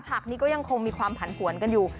ผักนี้ก็ยังคงมีความผันผวนกันอยู่